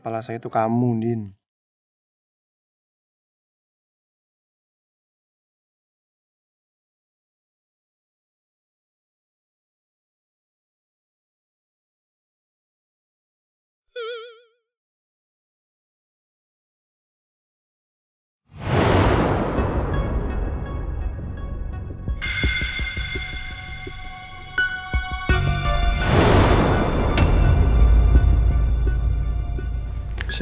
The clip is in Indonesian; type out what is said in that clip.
aku mau ikut sama dia